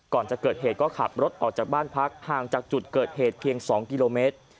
ก่อนจะเกิดเหตุก็ขับรถออกจากบ้านพักห่างจากจุดเกิดเหตุเพียง๒กิโลเมตร